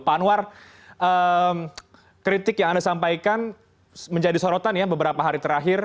pak anwar kritik yang anda sampaikan menjadi sorotan ya beberapa hari terakhir